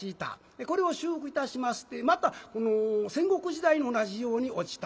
でこれを修復いたしましてまたこの戦国時代に同じように落ちた。